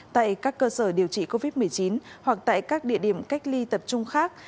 tại các cơ sở điều trị covid một mươi chín hoặc tại các địa điểm cách ly tập trung khác